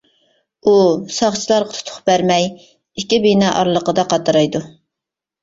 ئۇ ساقچىلارغا تۇتۇق بەرمەي، ئىككى بىنا ئارىلىقىدا قاترايدۇ.